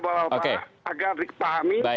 bahwa pak agarri pahami